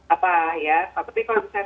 apa ya pak tapi kalau misalnya